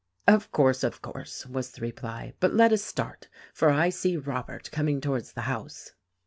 "Of course, of course," was the reply; "but let us start, for I see Robert coming towards the house."